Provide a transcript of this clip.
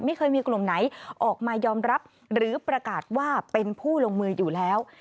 ไม่เคยมีกลุ่มไหนออกมายอมรับหรือประกาศว่าเป็นผู้ลงมืออยู่แล้ว